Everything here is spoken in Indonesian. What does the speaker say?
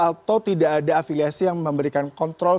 atau tidak ada afiliasi yang memberikan kontrol